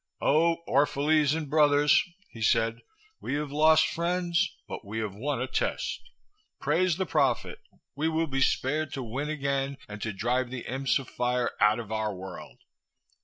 "O Orphalese and brothers," he said, "we have lost friends, but we have won a test. Praise the Prophet, we will be spared to win again, and to drive the imps of fire out of our world.